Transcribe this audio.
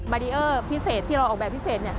แบรีเออร์ที่เราออกแบบพิเศษ